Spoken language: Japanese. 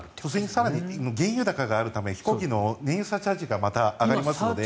更に原油高があるため飛行機の燃油サーチャージがまた上がりますので。